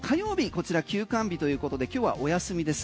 こちら休館日ということで今日はお休みです。